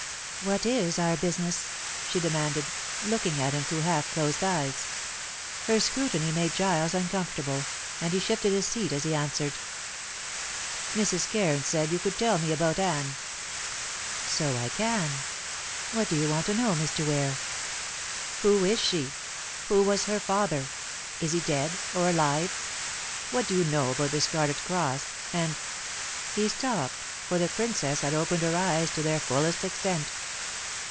"What is our business?" she demanded, looking at him through half closed eyes. Her scrutiny made Giles uncomfortable, and he shifted his seat as he answered. "Mrs. Cairns said you could tell me about Anne." "So I can. What do you want to know, Mr. Ware?" "Who is she? Who was her father? Is he dead or alive? What do you know about the Scarlet Cross, and " He stopped, for the Princess had opened her eyes to their fullest extent.